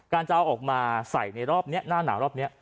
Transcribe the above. จะเอาออกมาใส่ในรอบนี้หน้าหนาวรอบนี้